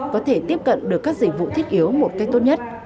có thể tiếp cận được các dịch vụ thiết yếu một cách tốt nhất